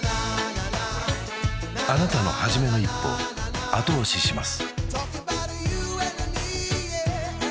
あなたのはじめの一歩を後押しします